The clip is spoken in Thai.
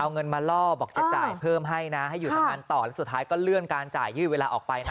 เอาเงินมาล่อบอกจะจ่ายเพิ่มให้นะให้อยู่ทำงานต่อแล้วสุดท้ายก็เลื่อนการจ่ายยืดเวลาออกไปนะ